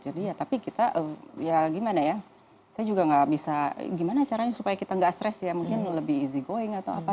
jadi ya tapi kita ya gimana ya saya juga tidak bisa gimana caranya supaya kita tidak stress ya mungkin lebih easy going atau apa